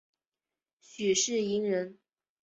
许世英人。